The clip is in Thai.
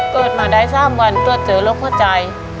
เกิดมาได้๓วันตรวจเจอโรคหัวใจ